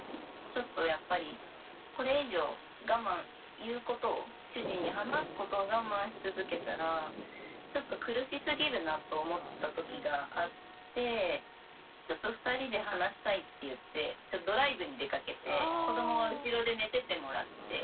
ちょっとやっぱりこれ以上我慢言うことを主人に話すことを我慢し続けたらちょっと苦しすぎるなと思ったときがあってちょっと２人で話したいって言ってドライブに出かけて子どもは後ろで寝ててもらって。